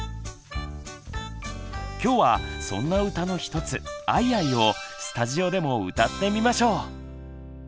今日はそんな歌の一つ「アイアイ」をスタジオでも歌ってみましょう！